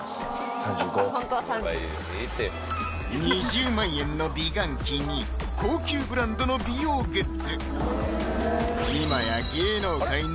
３５２０万円の美顔器に高級ブランドの美容グッズ